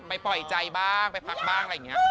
ปล่อยใจบ้างไปพักบ้างอะไรอย่างนี้